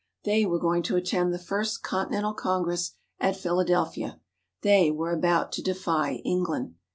They were going to attend the First Continental Congress at Philadelphia. They were about to defy England.